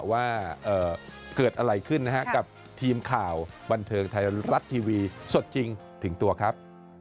ว่าเกิดอะไรขึ้นนะฮะกับทีมข่าวบันเทิงไทยรัฐทีวีสดจริงถึงตัวครับ